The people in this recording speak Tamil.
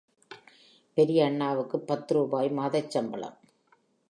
பெரிய அண்ணாவுக்குப் பத்து ரூபாய் மாதச் சம்பளம்.